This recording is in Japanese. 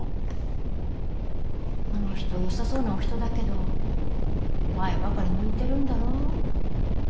あの人よさそうなお人だけど前ばかり向いてるんだろう？